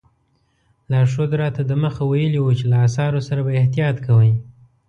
لارښود راته دمخه ویلي وو چې له اثارو سره به احتیاط کوئ.